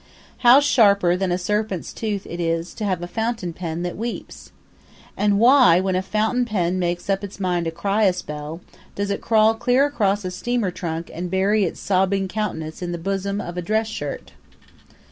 How sharper than a serpent's tooth it is to have a fountain pen that weeps! And why, when a fountain pen makes up its mind to cry a spell, does it crawl clear across a steamer trunk and bury its sobbing countenance in the bosom of a dress shirt?